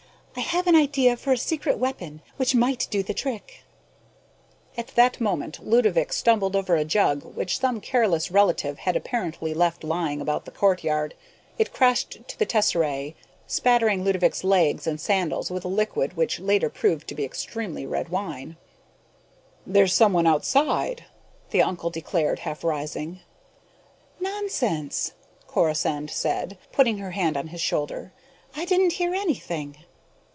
"I have an idea for a secret weapon which might do the trick "At that moment, Ludovick stumbled over a jug which some careless relative had apparently left lying about the courtyard. It crashed to the tesserae, spattering Ludovick's legs and sandals with a liquid which later proved to be extremely red wine. "There's someone outside!" the uncle declared, half rising. "Nonsense!" Corisande said, putting her hand on his shoulder. "I didn't hear anything."